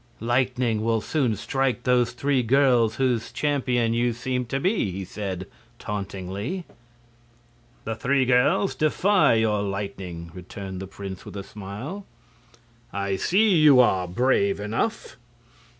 "Lightning will soon strike those three girls whose champion you seem to be," he said tauntingly. "The three girls defy your lightning!" returned the prince with a smile. "I see you are brave enough."